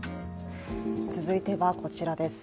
続いては、こちらです。